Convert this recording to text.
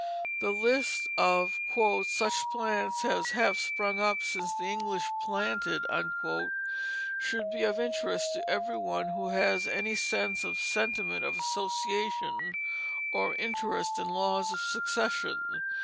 The list of "such plants as have sprung up since the English planted" should be of interest to every one who has any sense of the sentiment of association, or interest in laws of succession.